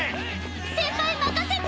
先輩任せて！